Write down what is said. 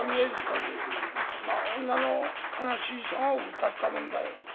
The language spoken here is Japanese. まあ女の悲しい性をうたったもんだよ。